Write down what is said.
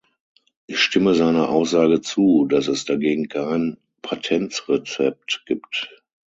Ich stimme seiner Aussage zu, dass es dagegen kein Patentrezept gibt.